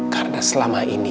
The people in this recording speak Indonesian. karena selama ini